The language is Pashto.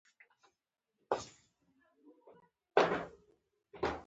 بخاري د ژمي د ژوند یوه مهمه برخه ده.